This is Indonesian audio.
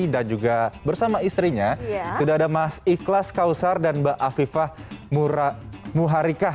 dan juga bersama istrinya sudah ada mas ikhlas kausar dan mbak afifah muharikah